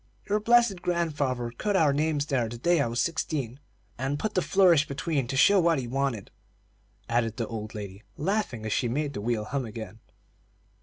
Your blessed grandfather cut our names there the day I was sixteen, and put the flourish between to show what he wanted," added the old lady, laughing as she made the wheel hum again.